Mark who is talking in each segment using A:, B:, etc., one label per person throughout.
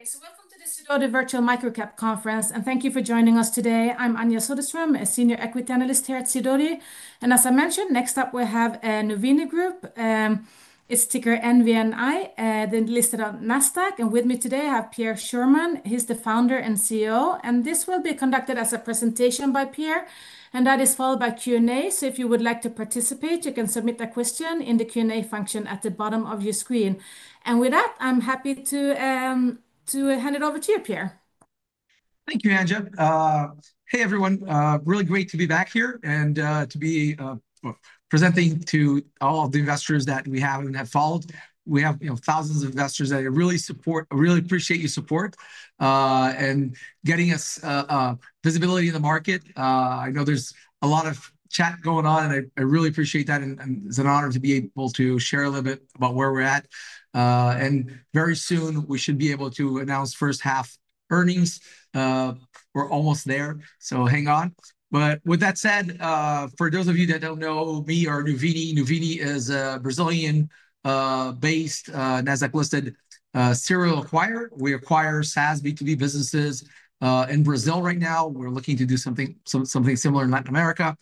A: Welcome to the Sidoti Virtual Microcap Conference, and thank you for joining us today. I'm Anja Soderstrom, a Senior Equity Analyst here at Sidoti. As I mentioned, next up we have Nvni Group, its ticker is NVNI, listed on Nasdaq. With me today, I have Pierre Schurmann. He's the Founder and CEO. This will be conducted as a presentation by Pierre, followed by Q&A. If you would like to participate, you can submit a question in the Q&A function at the bottom of your screen. With that, I'm happy to hand it over to you, Pierre.
B: Thank you, Anja. Hey everyone. Really great to be back here and to be presenting to all of the investors that we have and have followed. We have, you know, thousands of investors that really support, really appreciate your support, and getting us visibility in the market. I know there's a lot of chat going on, and I really appreciate that. It's an honor to be able to share a little bit about where we're at. Very soon we should be able to announce first half earnings. We're almost there, so hang on. With that said, for those of you that don't know me or Nuvini, Nuvini is a Brazil-based, Nasdaq-listed, serial acquirer. We acquire SaaS B2B businesses in Brazil right now. We're looking to do something similar in Latin America.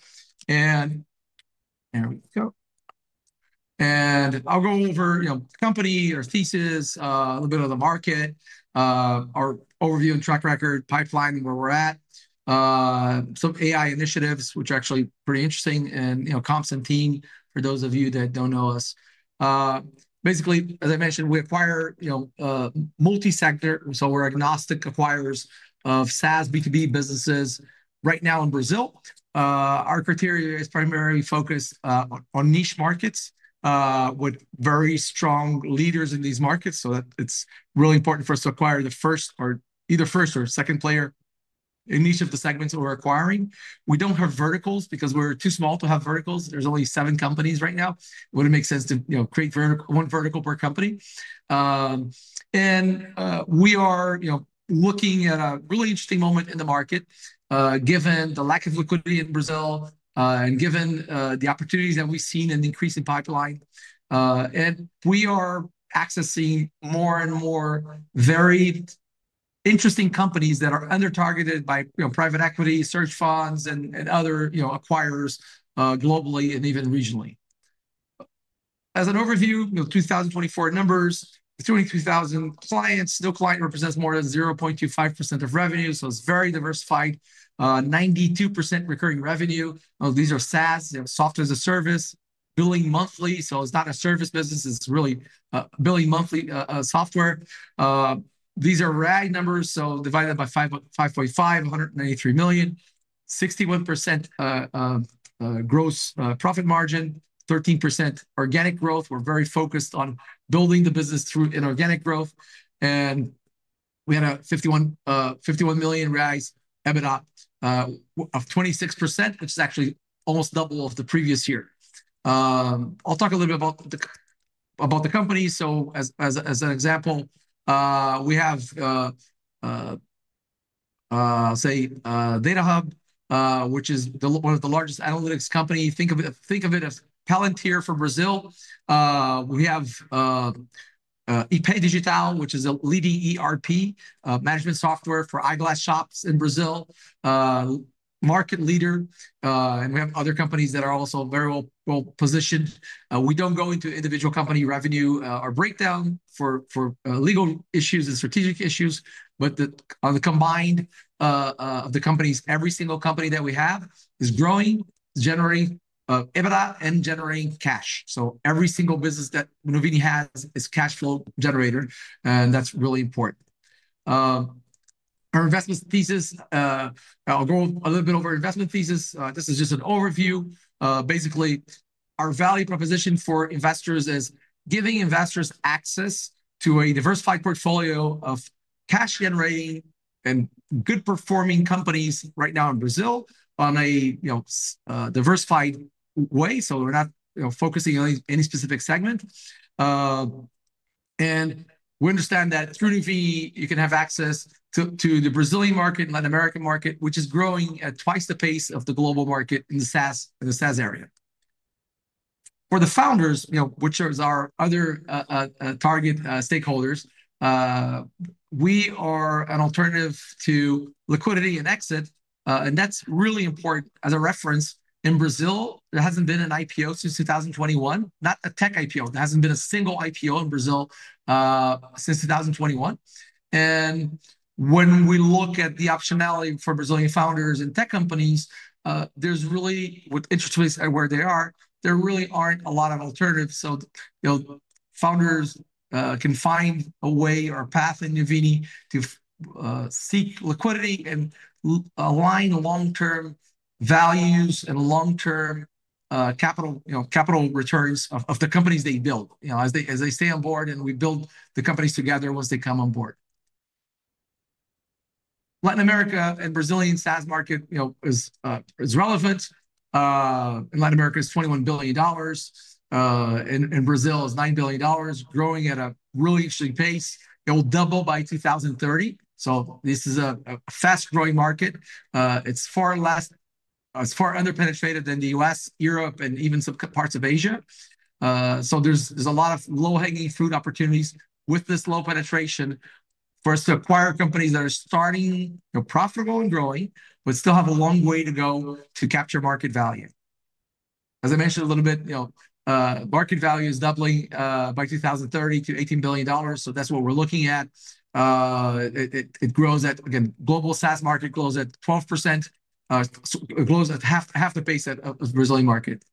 B: I'll go over, you know, company or thesis, a little bit of the market, our overview and track record, pipeline, and where we're at, some AI initiatives, which are actually pretty interesting. You know, CompSynth Team, for those of you that don't know us. Basically, as I mentioned, we acquire, you know, multi-sector. We're agnostic acquirers of SaaS B2B businesses right now in Brazil. Our criteria is primarily focused on niche markets, with very strong leaders in these markets. It's really important for us to acquire the first or either first or second player in each of the segments that we're acquiring. We don't have verticals because we're too small to have verticals. There's only seven companies right now. It wouldn't make sense to, you know, create one vertical per company. We are, you know, looking at a really interesting moment in the market, given the lack of liquidity in Brazil, and given the opportunities that we've seen and increase in pipeline. We are accessing more and more very interesting companies that are under-targeted by, you know, private equity, search funds, and other, you know, acquirers, globally and even regionally. As an overview, you know, 2024 numbers, 23,000 clients. No client represents more than 0.25% of revenue. It's very diversified. 92% recurring revenue. These are SaaS, you know, Software as a Service, billing monthly. It's not a service business. It's really billing monthly software. These are RAG numbers. So divided by 5.5, $193 million, 61% gross profit margin, 13% organic growth. We're very focused on building the business through inorganic growth. We had a $51 million RAGs, EBITDA of 26%, which is actually almost double of the previous year. I'll talk a little bit about the company. As an example, we have, say, DataHub, which is one of the largest analytics companies. Think of it as Palantir for Brazil. We have Epay Digital, which is a leading ERP management software for eyeglass shops in Brazil, market leader. We have other companies that are also very well positioned. We don't go into individual company revenue or breakdown for legal issues and strategic issues. On the combined, of the companies, every single company that we have is growing, generating EBITDA and generating cash. Every single business that Nuvini has is cash flow generator, and that's really important. Our investment thesis, I'll go a little bit over investment thesis. This is just an overview. Basically, our value proposition for investors is giving investors access to a diversified portfolio of cash-generating and good-performing companies right now in Brazil in a diversified way. We're not focusing on any specific segment. We understand that through Nuvini you can have access to the Brazilian market and Latin American market, which is growing at twice the pace of the global market in the SaaS area. For the founders, which are our other target stakeholders, we are an alternative to liquidity and exit, and that's really important as a reference. In Brazil, there hasn't been an IPO since 2021. Not a tech IPO. There hasn't been a single IPO in Brazil since 2021. When we look at the optionality for Brazilian founders and tech companies, with interest rates at where they are, there really aren't a lot of alternatives. Founders can find a way or path in Nuvini to seek liquidity and align long-term values and long-term capital returns of the companies they build as they stay on board and we build the companies together once they come on board. Latin America and Brazilian SaaS market is relevant. In Latin America, it is $21 billion, and in Brazil is $9 billion, growing at a really interesting pace. It will double by 2030. This is a fast-growing market. It's far less, it's far underpenetrated than the U.S., Europe, and even some parts of Asia. There's a lot of low-hanging fruit opportunities with this low penetration for us to acquire companies that are starting, you know, profitable and growing, but still have a long way to go to capture market value. As I mentioned a little bit, market value is doubling by 2030 to $18 billion. That's what we're looking at. It grows at, again, global SaaS market grows at 12%. It grows at half the pace of the Brazilian market.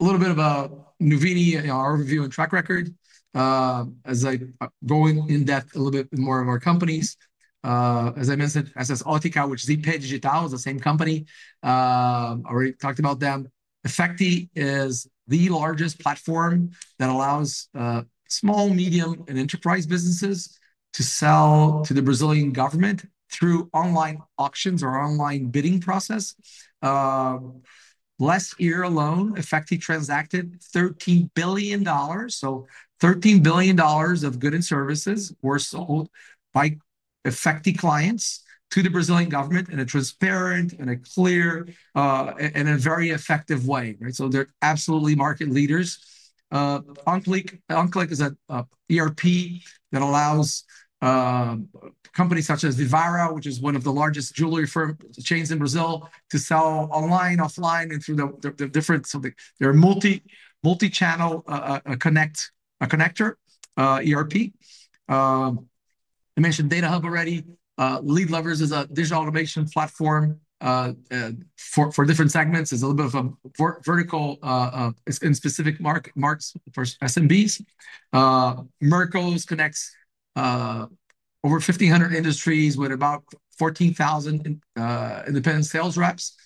B: A little bit about Nuvini, our overview and track record. As I go in depth a little bit more of our companies. As I mentioned, SS Autica, which is Epay Digital, is the same company. I already talked about them. Effecti is the largest platform that allows small, medium, and enterprise businesses to sell to the Brazilian government through online auctions or online bidding process. Last year alone, Effecti transacted $13 billion. So $13 billion of goods and services were sold by Effecti clients to the Brazilian government in a transparent and a clear, and a very effective way. Right? They're absolutely market leaders. Onclick is an ERP that allows companies such as Vivara, which is one of the largest jewelry firm chains in Brazil, to sell online, offline, and through the different. They're a multi-channel connector ERP. I mentioned DataHub already. Leadlovers is a digital automation platform for different segments. It's a little bit of a vertical, in specific market marks for SMBs. Mercos connects over 1,500 industries with about 14,000 independent sales reps.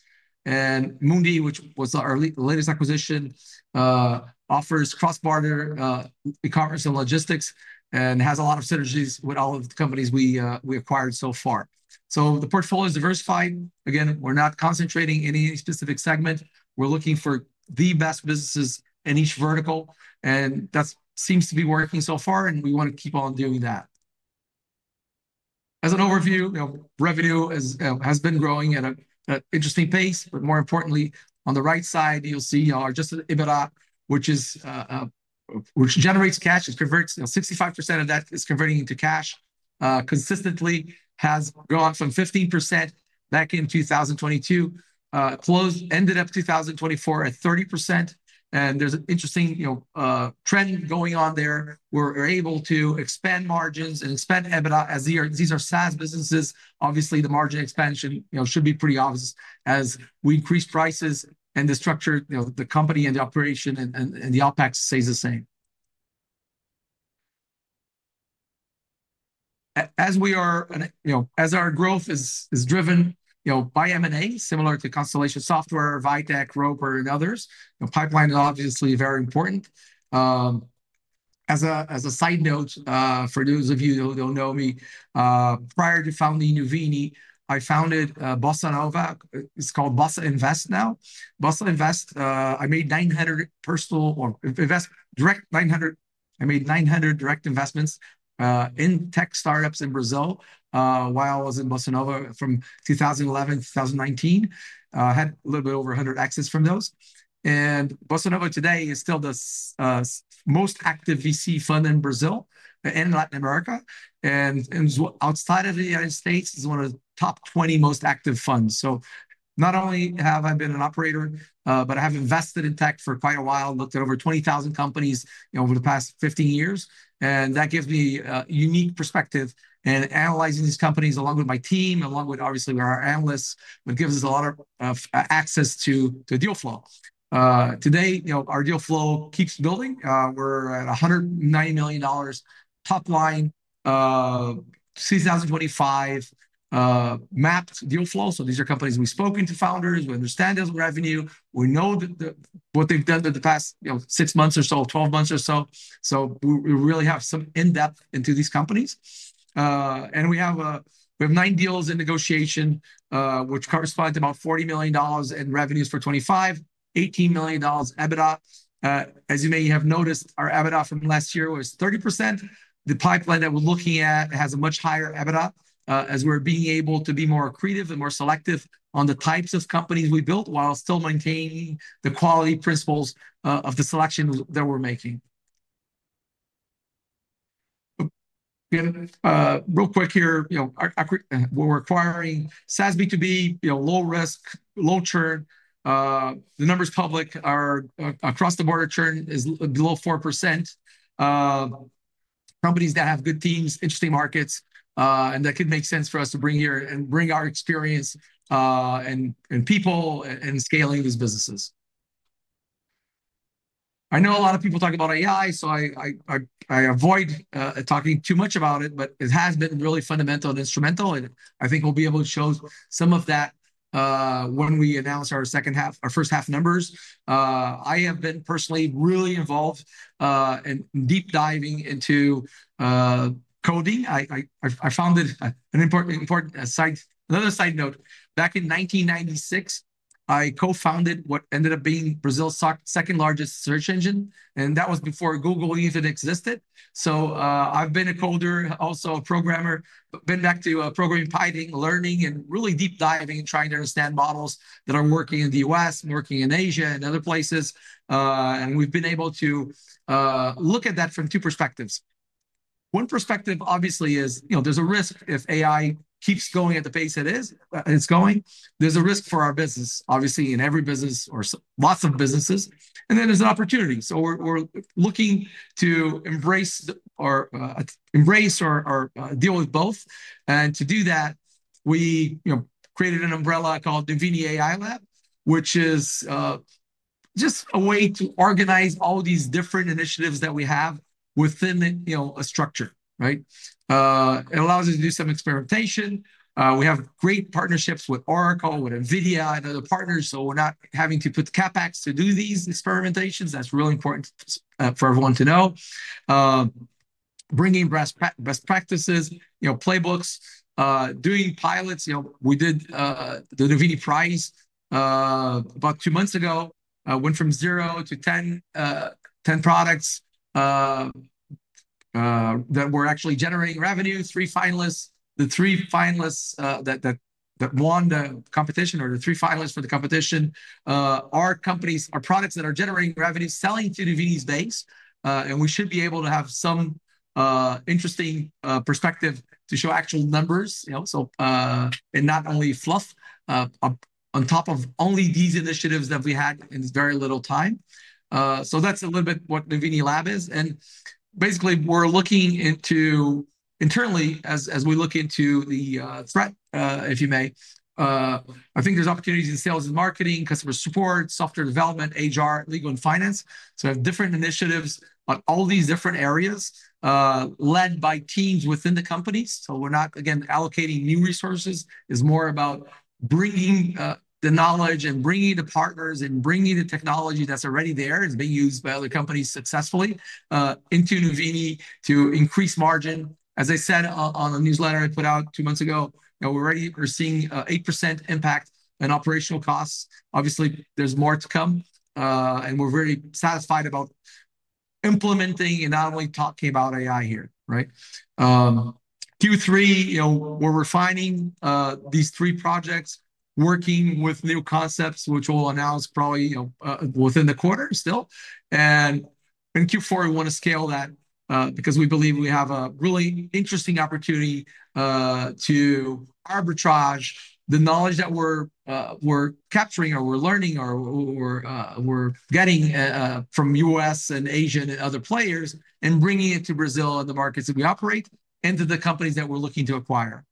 B: And Munddi, which was our latest acquisition, offers cross-border e-commerce and logistics and has a lot of synergies with all of the companies we acquired so far. The portfolio is diversified. We're not concentrating on any specific segment. We're looking for the best businesses in each vertical. That seems to be working so far, and we want to keep on doing that. As an overview, revenue has been growing at an interesting pace. More importantly, on the right side, you'll see our adjusted EBITDA, which is, which generates cash. It converts, you know, 65% of that is converting into cash, consistently has gone from 15% back in 2022. It closed, ended up in 2024 at 30%. There's an interesting trend going on there. We're able to expand margins and expand EBITDA as these are SaaS businesses. Obviously, the margin expansion should be pretty obvious as we increase prices and the structure, the company and the operation and the OpEx stays the same. As our growth is driven by M&A, similar to Constellation Software, Vitec, Roper, and others, pipeline is obviously very important. As a side note, for those of you that don't know me, prior to founding Nuvini, I founded Bossa Nova. It's called Bossa Invest now. Bossa Invest, I made 900 personal, or direct, 900. I made 900 direct investments in tech startups in Brazil while I was in Bossa Nova from 2011 to 2019. I had a little bit over 100 exits from those. Bossa Nova today is still the most active VC fund in Brazil and Latin America. Outside of the United States, it's one of the top 20 most active funds. Not only have I been an operator, but I have invested in tech for quite a while, looked at over 20,000 companies over the past 15 years. That gives me a unique perspective in analyzing these companies along with my team, along with our analysts, but gives us a lot of access to deal flow. Today, our deal flow keeps building. We're at $190 million top line, 2025, mapped deal flow. These are companies we've spoken to founders. We understand the revenue. We know what they've done in the past six months or so, 12 months or so. We really have some in-depth into these companies. We have nine deals in negotiation, which correspond to about $40 million in revenues for 2025, $18 million EBITDA. As you may have noticed, our EBITDA from last year was 30%. The pipeline that we're looking at has a much higher EBITDA, as we're being able to be more creative and more selective on the types of companies we build while still maintaining the quality principles of the selection that we're making. Real quick here, we're acquiring SaaS B2B, low risk, low churn. The numbers public are across the border. Churn is below 4%. Companies that have good teams, interesting markets, and that could make sense for us to bring here and bring our experience and people and scaling these businesses. I know a lot of people talk about AI, so I avoid talking too much about it, but it has been really fundamental and instrumental. I think we'll be able to show some of that when we announce our second half, our first half numbers. I have been personally really involved in deep diving into coding. I founded an important site. Another side note, back in 1996, I co-founded what ended up being Brazil's second largest search engine. That was before Google even existed. I've been a coder, also a programmer. Been back to programming, piping, learning, and really deep diving and trying to understand models that are working in the U.S. and working in Asia and other places. We've been able to look at that from two perspectives. One perspective, obviously, is there's a risk if AI keeps going at the pace it is, and it's going, there's a risk for our business, obviously, in every business or lots of businesses. There is an opportunity. We're looking to embrace or deal with both. To do that, we created an umbrella called NuviniAI Lab, which is just a way to organize all these different initiatives that we have within a structure. It allows us to do some experimentation. We have great partnerships with Oracle, with NVIDIA, and other partners. We're not having to put the CapEx to do these experimentations. That's really important for everyone to know. Bringing best practices, playbooks, doing pilots. We did the NuviniAI Prize about two months ago, went from zero to 10 products that were actually generating revenue, three finalists. The three finalists that won the competition, or the three finalists for the competition, are companies, are products that are generating revenue, selling to Nuvini's base. We should be able to have some interesting perspective to show actual numbers, and not only fluff, on top of only these initiatives that we had in very little time. That's a little bit what NuviniAI Lab is. Basically, we're looking into internally, as we look into the threat, if you may, I think there's opportunities in sales and marketing, customer support, software development, HR, legal, and finance. We have different initiatives on all these different areas, led by teams within the companies. We're not allocating new resources. It's more about bringing the knowledge and bringing the partners and bringing the technology that's already there. It's being used by other companies successfully, into Nuvini to increase margin. As I said on a newsletter I put out two months ago, you know, we're already, we're seeing an 8% impact in operational costs. Obviously, there's more to come, and we're very satisfied about implementing and not only talking about AI here, right? Q3, you know, we're refining these three projects, working with new concepts, which we'll announce probably, you know, within the quarter still. In Q4, we want to scale that, because we believe we have a really interesting opportunity to arbitrage the knowledge that we're capturing or we're learning or we're getting from U.S. and Asian and other players and bringing it to Brazil and the markets that we operate and to the companies that we're looking to acquire.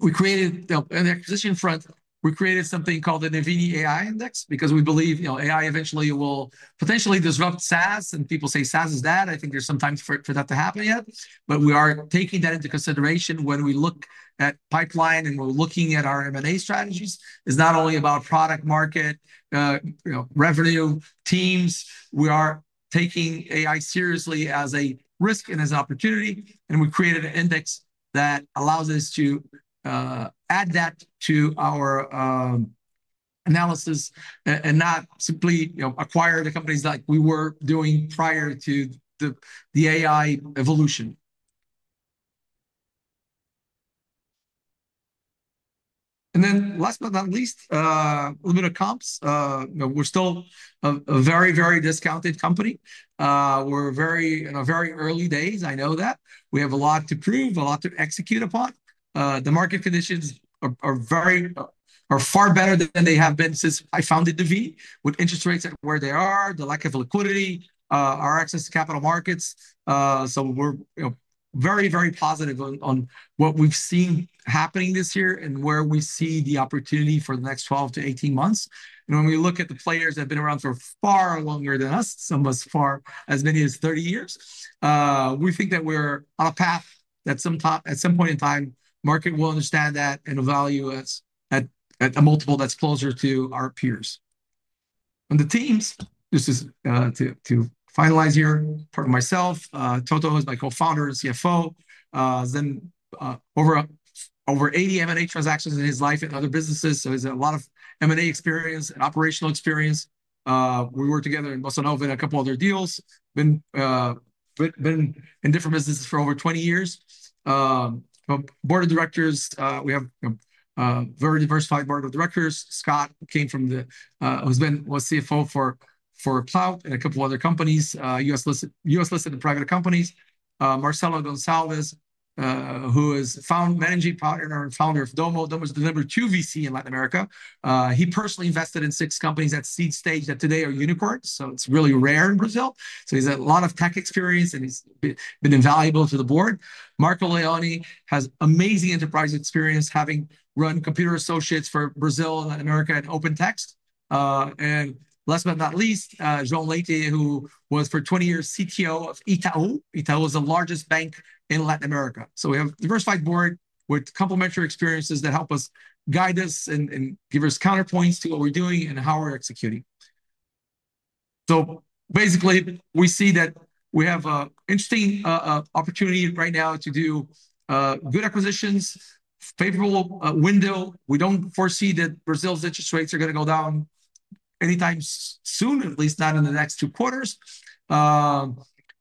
B: We created an acquisition front. We created something called the NuviniAI Index because we believe, you know, AI eventually will potentially disrupt SaaS. People say SaaS is bad. I think there's some times for that to happen yet. We are taking that into consideration when we look at pipeline and we're looking at our M&A strategies. It's not only about product, market, you know, revenue, teams. We are taking AI seriously as a risk and as an opportunity. We created an index that allows us to add that to our analysis and not simply, you know, acquire the companies like we were doing prior to the AI evolution. Last but not least, a little bit of comps. You know, we're still a very, very discounted company. We're very in our very early days. I know that. We have a lot to prove, a lot to execute upon. The market conditions are far better than they have been since I founded Nuvini with interest rates at where they are, the lack of liquidity, our access to capital markets. We're, you know, very, very positive on what we've seen happening this year and where we see the opportunity for the next 12 to 18 months. When we look at the players that have been around for far longer than us, some of us for as many as 30 years, we think that we're on a path that at some point in time, the market will understand that and evaluate us at a multiple that's closer to our peers. On the teams, this is, to finalize here, part of myself, Toto is my Co-Founder and CFO. He's done over 80 M&A transactions in his life and other businesses. He's had a lot of M&A experience and operational experience. We worked together in Bossa Nova and a couple other deals. Been in different businesses for over 20 years. Board of Directors, we have a very diversified Board of Directors. Scott came from, was CFO for Plout and a couple other companies, U.S. listed and private companies. Marcelo Gonzalez, who is managing partner and founder of Domo. Domo has delivered to VCs in Latin America. He personally invested in six companies at seed stage that today are unicorns. It's really rare in Brazil. He's had a lot of tech experience and he's been invaluable to the board. Marco Leone has amazing enterprise experience having run Computer Associates for Brazil, Latin America, and OpenText. Last but not least, João Leite, who was for 20 years CTO of Itaú. Itaú is the largest bank in Latin America. We have a diversified board with complementary experiences that help guide us and give us counterpoints to what we're doing and how we're executing. We see that we have an interesting opportunity right now to do good acquisitions, favorable window. We don't foresee that Brazil's interest rates are going to go down anytime soon, at least not in the next two quarters.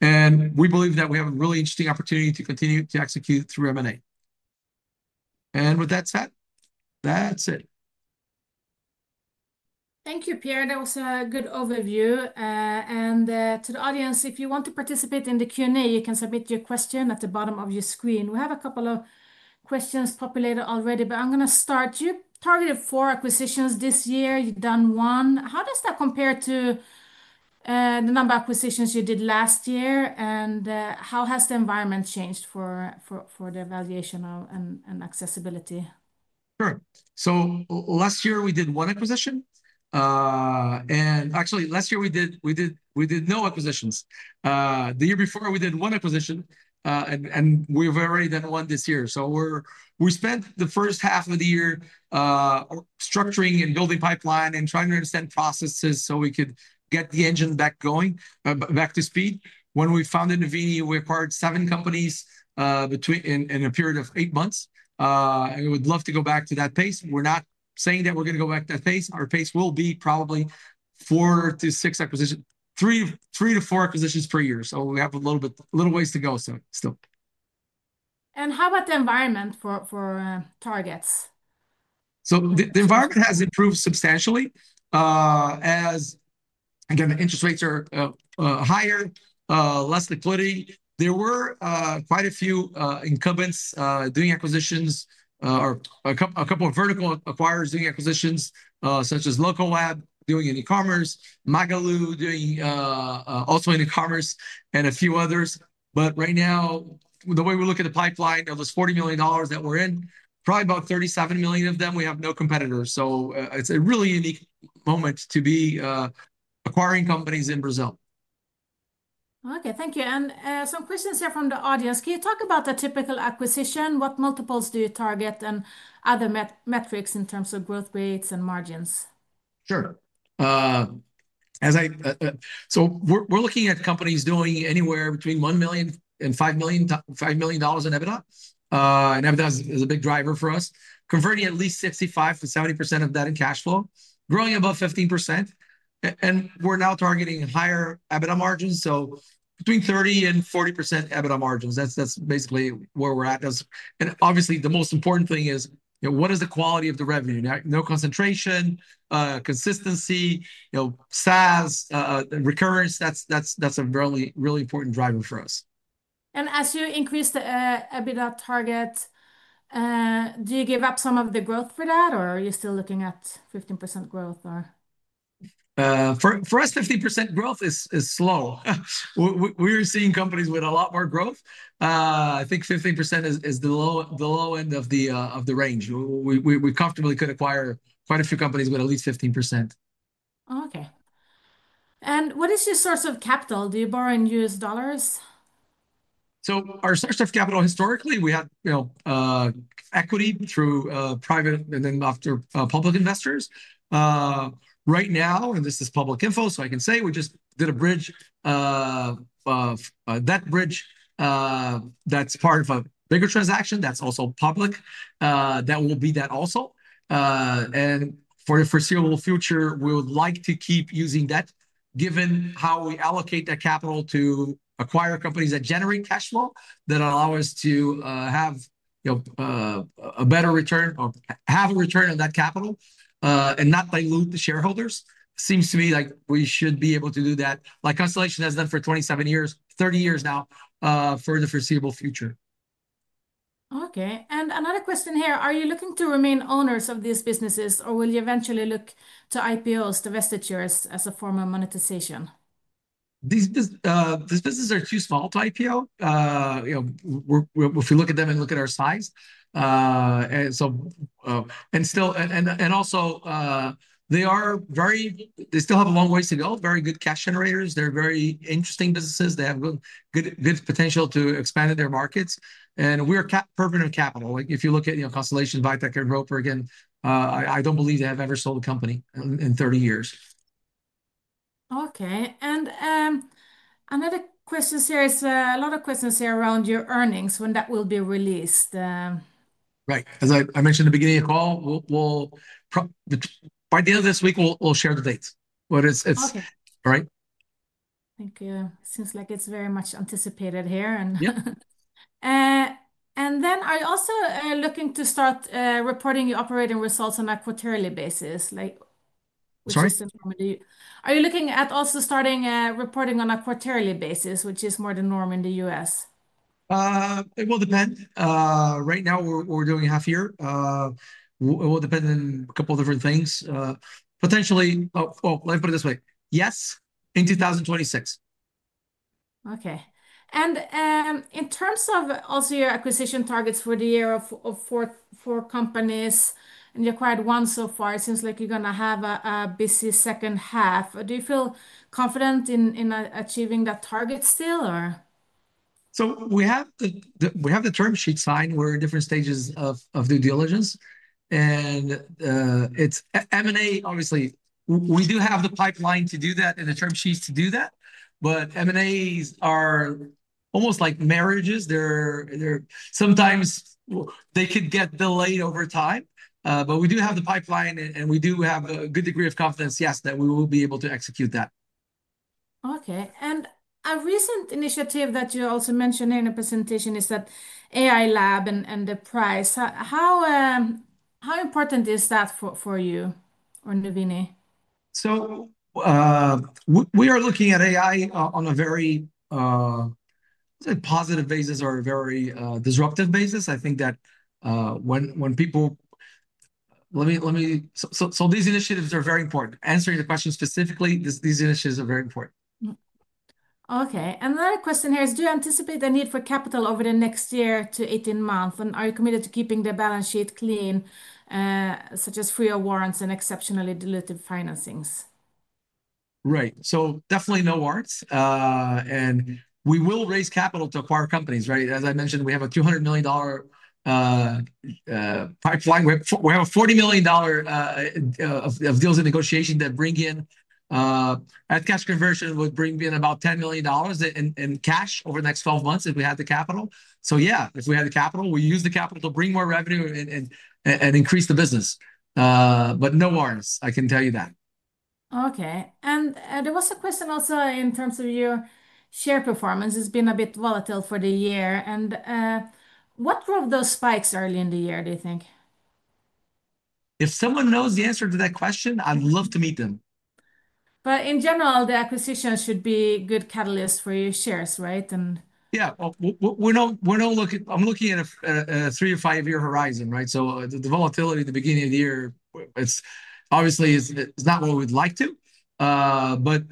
B: We believe that we have a really interesting opportunity to continue to execute through M&A. With that said, that's it.
A: Thank you, Pierre. That was a good overview. To the audience, if you want to participate in the Q&A, you can submit your question at the bottom of your screen. We have a couple of questions populated already, but I'm going to start. You've targeted four acquisitions this year. You've done one. How does that compare to the number of acquisitions you did last year? How has the environment changed for the evaluation and accessibility?
B: Sure. Last year we did no acquisitions. The year before we did one acquisition, and we've already done one this year. We spent the first half of the year structuring and building pipeline and trying to understand processes so we could get the engine back going, back to speed. When we founded Nuvini, we acquired seven companies in a period of eight months. We would love to go back to that pace. We're not saying that we're going to go back to that pace. Our pace will be probably four to six acquisitions, three to four acquisitions per year. We have a little bit, a little ways to go still.
A: How about the environment for targets?
B: The environment has improved substantially, as, again, the interest rates are higher, less liquidity. There were quite a few incumbents doing acquisitions, or a couple of vertical acquirers doing acquisitions, such as Local Lab doing an e-commerce, Magalu doing also an e-commerce, and a few others. Right now, the way we look at the pipeline, of those $40 million that we're in, probably about $37 million of them, we have no competitors. It's a really unique moment to be acquiring companies in Brazil.
A: Okay, thank you. Some questions here from the audience. Can you talk about the typical acquisition? What multiples do you target and other metrics in terms of growth rates and margins?
B: Sure. We're looking at companies doing anywhere between $1 million and $5 million in EBITDA. EBITDA is a big driver for us, converting at least 65%-70% of that in cash flow, growing above 15%. We're now targeting higher EBITDA margins, so between 30% and 40% EBITDA margins. That's basically where we're at. Obviously, the most important thing is, you know, what is the quality of the revenue? No concentration, consistency, you know, SaaS, recurrence. That's a really, really important driver for us.
A: As you increase the EBITDA target, do you give up some of the growth for that, or are you still looking at 15% growth?
B: For us, 15% growth is slow. We're seeing companies with a lot more growth. I think 15% is the low end of the range. We comfortably could acquire quite a few companies with at least 15%.
A: Okay. What is your source of capital? Do you borrow in US dollars?
B: Our source of capital, historically, we had equity through private and then after, public investors. Right now, and this is public info, I can say we just did a bridge. That bridge is part of a bigger transaction that's also public, that will be that also. For the foreseeable future, we would like to keep using that, given how we allocate that capital to acquire companies that generate cash flow that allow us to have a better return or have a return on that capital, and not dilute the shareholders. Seems to me like we should be able to do that, like Constellation has done for 27 years, 30 years now, for the foreseeable future.
A: Okay. Another question here. Are you looking to remain owners of these businesses, or will you eventually look to IPOs to vested shares as a form of monetization?
B: These businesses are too small to IPO, you know, if you look at them and look at our size. They still have a long way to go, very good cash generators. They're very interesting businesses. They have good potential to expand in their markets. We are permanent capital. If you look at, you know, Constellation, Vitec, and Roper, I don't believe they have ever sold a company in 30 years.
A: Okay. Another question here is, a lot of questions here around your earnings, when that will be released.
B: Right. As I mentioned in the beginning of the call, by the end of this week, we'll share the dates. All right.
A: Thank you. It seems like it's very much anticipated here.
B: Yeah.
A: Are you also looking to start reporting your operating results on a quarterly basis?
B: Sorry.
A: Are you looking at also starting reporting on a quarterly basis, which is more the norm in the U.S.?
B: It will depend. Right now, we're doing half year. It will depend on a couple of different things. Potentially, yes, in 2026.
A: Okay. In terms of also your acquisition targets for the year of four companies, and you acquired one so far, it seems like you're going to have a busy second half. Do you feel confident in achieving that target still?
B: We have the term sheet signed. We're in different stages of due diligence. It's M&A, obviously. We do have the pipeline to do that and the term sheets to do that. M&As are almost like marriages. Sometimes they could get delayed over time. We do have the pipeline and we do have a good degree of confidence, yes, that we will be able to execute that.
A: Okay. A recent initiative that you also mentioned in a presentation is that AI Lab and the Prize. How important is that for you or Nuvini?
B: We are looking at AI on a very positive basis or a very disruptive basis. I think that when people, these initiatives are very important. Answering the question specifically, these initiatives are very important.
A: Okay. Another question here is, do you anticipate the need for capital over the next year to 18 months? Are you committed to keeping the balance sheet clean, such as free of warrants and exceptionally diluted financings?
B: Right. Definitely no warrants. We will raise capital to acquire companies, right? As I mentioned, we have a $200 million pipeline. We have $40 million of deals in negotiations that, at cash conversion, would bring in about $10 million in cash over the next 12 months if we had the capital. If we had the capital, we would use the capital to bring more revenue and increase the business. No warrants. I can tell you that.
A: Okay. There was a question also in terms of your share performance. It's been a bit volatile for the year. What drove those spikes early in the year, do you think?
B: If someone knows the answer to that question, I'd love to meet them.
A: In general, the acquisition should be a good catalyst for your shares, right?
B: Yeah. I'm looking at a three to five-year horizon, right? The volatility at the beginning of the year, it's obviously not what we'd like to, but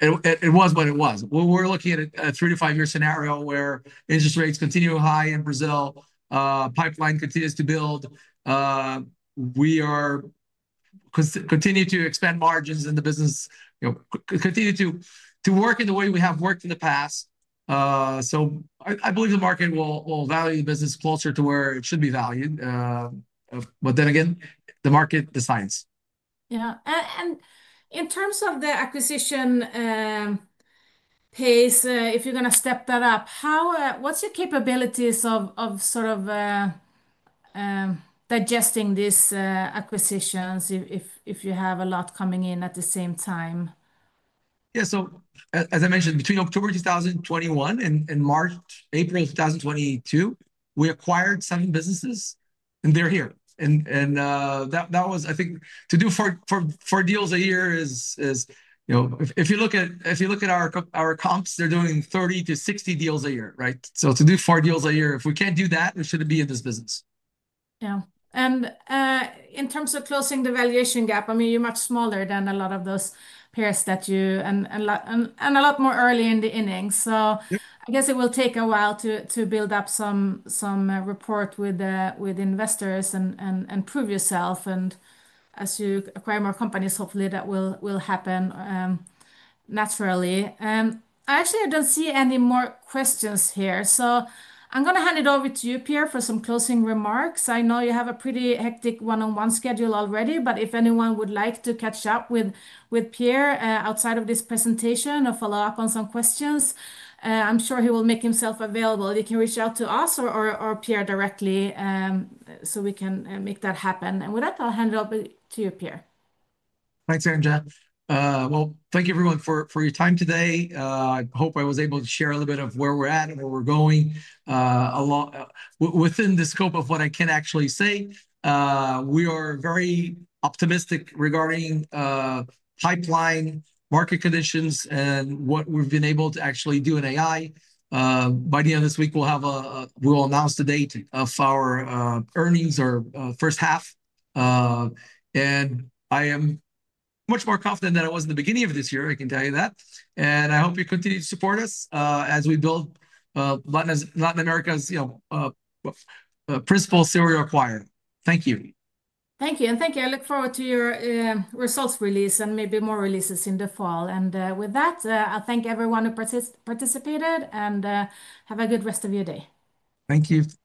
B: it was what it was. We're looking at a three to five-year scenario where interest rates continue high in Brazil, pipeline continues to build, and we continue to expand margins in the business, you know, continue to work in the way we have worked in the past. I believe the market will value the business closer to where it should be valued, but then again, the market decides.
A: Yeah. In terms of the acquisition pace, if you're going to step that up, what are your capabilities of sort of digesting these acquisitions if you have a lot coming in at the same time?
B: Yeah. As I mentioned, between October 2021 and March, April of 2022, we acquired seven businesses and they're here. That was, I think, to do four deals a year is, you know, if you look at our comps, they're doing 30 to 60 deals a year, right? To do four deals a year, if we can't do that, we shouldn't be in this business.
A: Yeah. In terms of closing the valuation gap, you're much smaller than a lot of those peers that you, and a lot more early in the innings. I guess it will take a while to build up some rapport with investors and prove yourself. As you acquire more companies, hopefully that will happen naturally. I actually don't see any more questions here. I'm going to hand it over to you, Pierre, for some closing remarks. I know you have a pretty hectic one-on-one schedule already, but if anyone would like to catch up with Pierre outside of this presentation or follow up on some questions, I'm sure he will make himself available. You can reach out to us or Pierre directly, so we can make that happen. With that, I'll hand it over to you, Pierre.
B: Thanks, Anja. Thank you everyone for your time today. I hope I was able to share a little bit of where we're at and where we're going, a lot within the scope of what I can actually say. We are very optimistic regarding pipeline, market conditions, and what we've been able to actually do in AI. By the end of this week, we'll announce the date of our earnings or first half. I am much more confident than I was at the beginning of this year. I can tell you that. I hope you continue to support us as we build Latin America's principal serial acquirer. Thank you.
A: Thank you. I look forward to your results release and maybe more releases in the fall. With that, I thank everyone who participated and have a good rest of your day.
B: Thank you. Bye-bye.